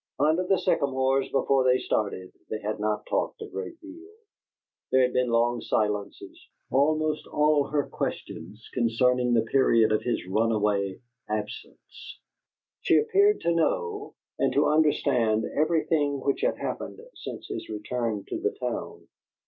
Under the sycamores, before they started, they had not talked a great deal; there had been long silences: almost all her questions concerning the period of his runaway absence; she appeared to know and to understand everything which had happened since his return to the town.